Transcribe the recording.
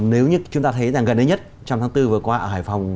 nếu như chúng ta thấy rằng gần đây nhất trong tháng bốn vừa qua ở hải phòng